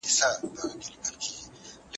سترګې به ستړي سي.